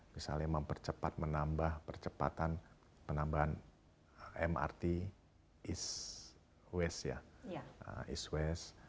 misalnya mempercepat menambah percepatan penambahan mrt east west